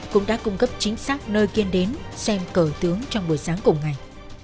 cũng đã cung cấp chính xác nơi kiên đến xem cờ tướng trong buổi sáng cùng ngày